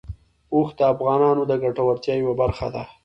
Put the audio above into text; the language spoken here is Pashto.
اوښ د افغانانو د ګټورتیا یوه برخه ده.